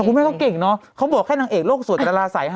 แต่คุณแม่ก็เก่งเนอะเขาบอกแค่นางเอกโลกส่วนแต่ละใส